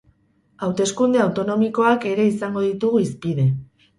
Hauteskunde autonomikoak ere izango ditugu hizpide.